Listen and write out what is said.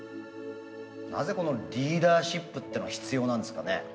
なぜこのリーダーシップっていうのは必要なんですかね。